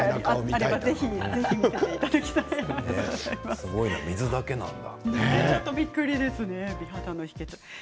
すごいな、水だけなんだ。